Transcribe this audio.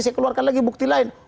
saya keluarkan lagi bukti lain